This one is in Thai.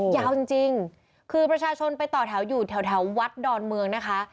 ยาวจริงคือประชาชนไปต่อแถวอยู่แถววัดดอนเมืองนะคะ